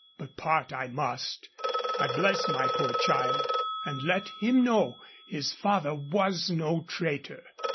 But part I must.... I bless my poor child; and let him know his father was no traitor.